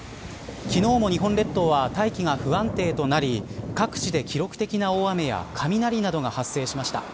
昨日も日本列島は大気が不安定となり各地で記録的な大雨や雷などが発生しました。